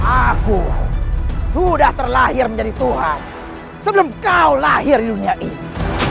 aku sudah terlahir menjadi tuhan sebelum kau lahir di dunia ini